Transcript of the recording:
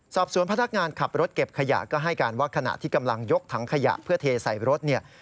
สอบสวนพนักงานขับรถเก็บขยะก็ให้การว่าขณะที่กำลังยกถังขยะเพื่อเทใส่รถเนี่ย